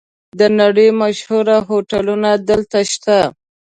د نړۍ مشهور هوټلونه دلته شته.